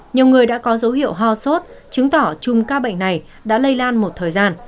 nhiều người đã có dấu hiệu ho sốt chứng tỏ chùm ca bệnh này đã lây lan một thời gian